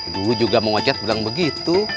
dulu juga bang ocad bilang begitu